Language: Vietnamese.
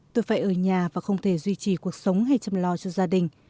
tôi phải ở nhà và không thể duy trì cuộc sống hay chăm lo cho gia đình